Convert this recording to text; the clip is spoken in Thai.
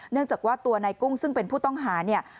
เนื่องจากว่าตัวนายกุ้งซึ่งเป็นผู้ต้องหาเนี่ย